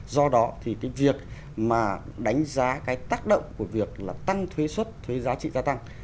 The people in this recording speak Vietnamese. do đó thì cái việc mà đánh giá cái tác động của việc là tăng thuế xuất thuế giá trị gia tăng